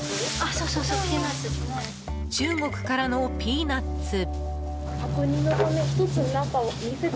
中国からのピーナツ。